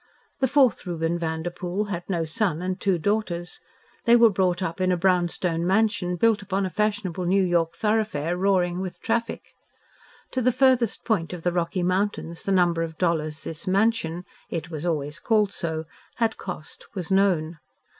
The fourth Reuben Vanderpoel had no son and two daughters. They were brought up in a brown stone mansion built upon a fashionable New York thoroughfare roaring with traffic. To the farthest point of the Rocky Mountains the number of dollars this "mansion" (it was always called so) had cost, was known.